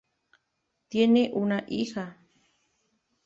Tiene una hija.